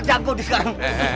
jago di sekarang